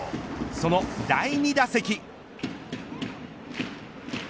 その第２打席。